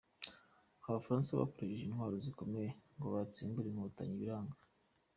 Abafaransa bakoresheje intwaro zikomeye ngo batsimbure Inkotanyi biranga.